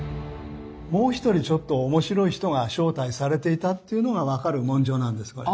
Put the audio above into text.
もう一人ちょっとおもしろい人が招待されていたっていうのが分かる文書なんですこれ。